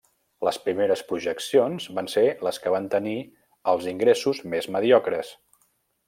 Les primeres projeccions van ser les que van tenir els ingressos més mediocres.